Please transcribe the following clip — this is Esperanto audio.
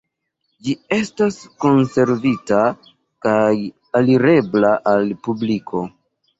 Ĝi estas konservita kaj alirebla al publiko.